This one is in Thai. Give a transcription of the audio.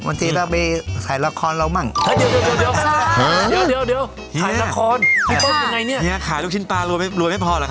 บางทีเราไปถ่ายละครเรามั่งเฮ้ยเดี๋ยวเดี๋ยวเดี๋ยวเดี๋ยวเดี๋ยวเดี๋ยว